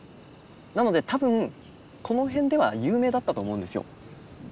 なので多分この辺では有名だったと思うんですよ。